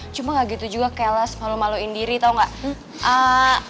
cuma gak gitu juga chales malu maluin diri tau gak